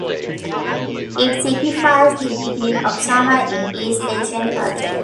It signifies the beginning of summer in East Asian cultures.